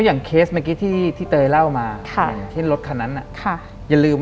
หลังจากนั้นเราไม่ได้คุยกันนะคะเดินเข้าบ้านอืม